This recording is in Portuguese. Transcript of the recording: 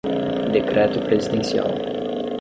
Decreto presidencial